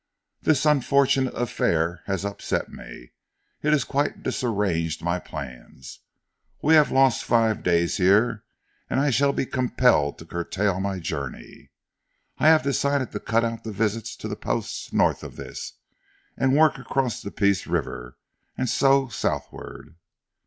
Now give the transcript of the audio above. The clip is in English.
"This unfortunate affair has upset me. It has quite disarranged my plans. We have lost five days here, and I shall be compelled to curtail my journey. I have decided to cut out the visits to the posts north of this, and to work across to the Peace River, and so southward."